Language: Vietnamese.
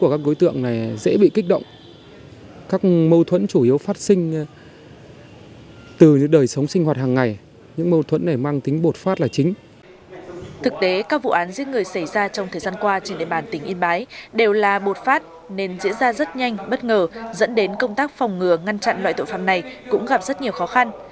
các vụ án giết người xảy ra trong thời gian qua trên địa bàn tỉnh yên bái đều là bột phát nên diễn ra rất nhanh bất ngờ dẫn đến công tác phòng ngừa ngăn chặn loại tội phạm này cũng gặp rất nhiều khó khăn